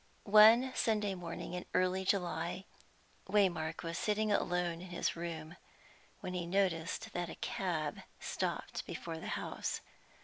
One Sunday morning in early July, Waymark was sitting alone in his room, when he noticed that a cab stopped before the house.